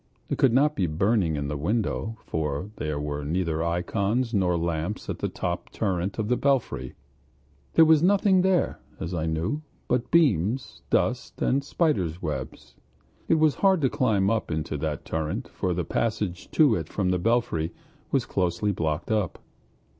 It could not be burning at the window, for there were neither ikons nor lamps in the top turret of the belfry; there was nothing there, as I knew, but beams, dust, and spiders' webs. It was hard to climb up into that turret, for the passage to it from the belfry was closely blocked up.